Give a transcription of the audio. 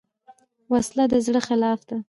وسله د زړه خلاف ده